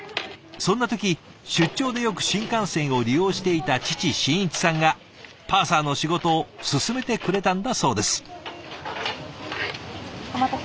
そんな時出張でよく新幹線を利用していた父真一さんがパーサーの仕事を勧めてくれたんだそうです。